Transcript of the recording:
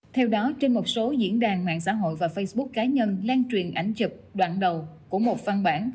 theo đó trên một số diễn đàn mạng xã hội và facebook cá nhân lan truyền ảnh trực đoạn đầu của một văn bản